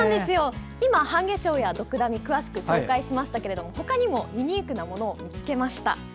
半夏生やドクダミなど詳しく紹介しましたけどほかにもユニークなものを見つけました。